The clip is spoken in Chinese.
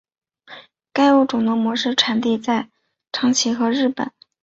该物种的模式产地在长崎和日本。